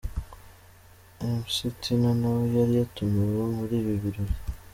Mc Tino nawe yari yatumiwe muri ibi birori .